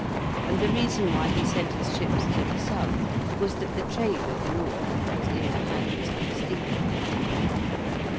And the reason why he sent his ships to the South was that the trade of the North was in the hands of the Steelyard.